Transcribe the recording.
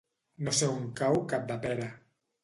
No sé on cau Capdepera.